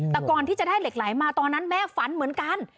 แต่ก่อนที่จะได้เหล็กไหลมาตอนนั้นแม่ฝันเหมือนกัน